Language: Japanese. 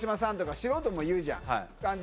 素人も言うじゃん。